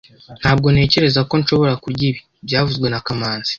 Ntabwo ntekereza ko nshobora kurya ibi byavuzwe na kamanzi